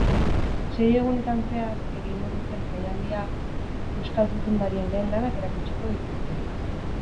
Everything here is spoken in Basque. Sei egunetan zehar egingo duten jaialdian euskal zuzendarien lehen lanak erakutsiko dituzte.